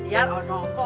ya apaan itu